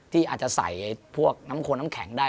ที่อาจจะใส่พวกน้ำโคนน้ำแข็งได้